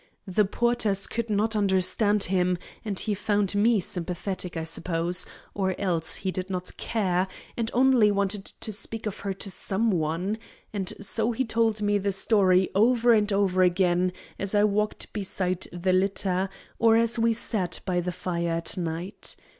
The porters could not understand him, and he found me sympathetic, I suppose, or else he did not care, and only wanted to speak of her to some one, and so he told me the story over and over again as I walked beside the litter, or as we sat by the fire at night.